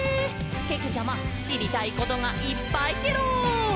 けけちゃましりたいことがいっぱいケロ！